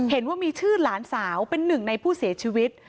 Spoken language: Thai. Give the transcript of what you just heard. เห็นว่ามีชื่อหลานสาวเป็นหนึ่งในผู้เสียชีวิต